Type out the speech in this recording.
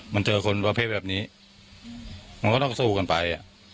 มันเจอคนประเภทแบบนี้มันก็ต้องสู้กันไป